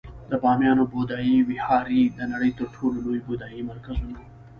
د بامیانو بودایي ویهارې د نړۍ تر ټولو لوی بودایي مرکزونه وو